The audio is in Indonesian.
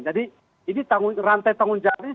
jadi ini rantai tanggung jawab ini